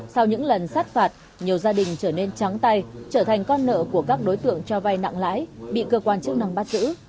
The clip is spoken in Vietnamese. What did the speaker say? sau những lần sát phạt nhiều gia đình trở nên trắng tay trở thành con nợ của các đối tượng cho vay nặng lãi bị cơ quan chức năng bắt giữ